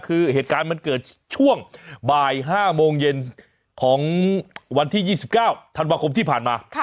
คือเหตุการณ์มันเกิดช่วงบ่าย๕โมงเย็นของวันที่๒๙ธันวาคมที่ผ่านมา